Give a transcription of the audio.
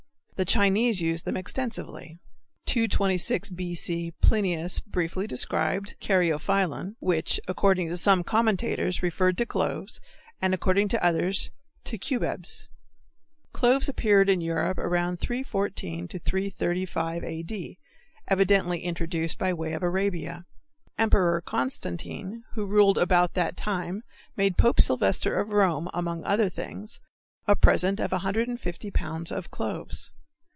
The Chinese used them extensively, 226 B. C. Plinius briefly described "Caryophyllon," which, according to some commentators, referred to cloves and according to others to cubebs. Cloves appeared in Europe about 314 335 A. D., evidently introduced by way of Arabia. Emperor Constantine, who ruled about that time made Pope Sylvester of Rome, among other things, a present of 150 pounds of cloves.